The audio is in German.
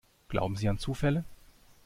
Glauben Sie an Zufälle?